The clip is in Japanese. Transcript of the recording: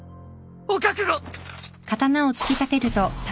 お覚悟！